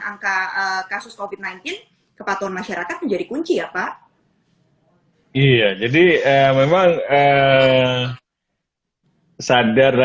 angka kasus covid sembilan belas kepatuhan masyarakat menjadi kunci ya pak iya jadi memang sadar